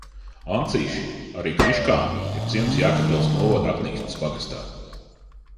Ancīši, arī Kriškāni ir ciems Jēkabpils novada Aknīstes pagastā.